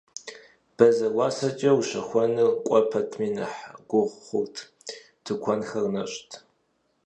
Бэзэр уасэкӀэ ущэхуэныр кӀуэ пэтми нэхъ гугъу хъурт, тыкуэнхэр нэщӀт.